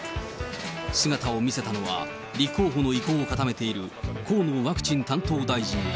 姿を見せたのは、立候補の意向を固めている河野ワクチン担当大臣だ。